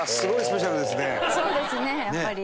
そうですねやっぱり。